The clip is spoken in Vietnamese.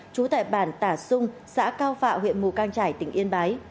trú tại bản tà sung xã cao phạ huyện mù cang trải tỉnh yên bái